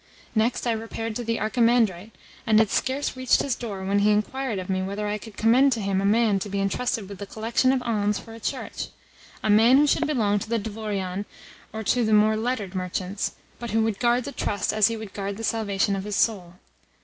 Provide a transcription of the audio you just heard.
Next I repaired to the Archimandrite, and had scarce reached his door when he inquired of me whether I could commend to him a man meet to be entrusted with the collection of alms for a church a man who should belong to the dvoriane or to the more lettered merchants, but who would guard the trust as he would guard the salvation of his soul.